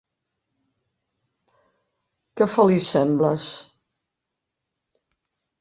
Que feliç sembles.